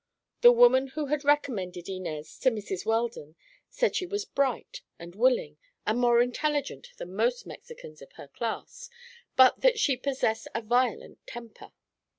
The woman who had recommended Inez to Mrs. Weldon said she was bright and willing and more intelligent than most Mexicans of her class, but that she possessed a violent temper.